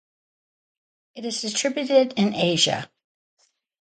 It is distributed in Asia.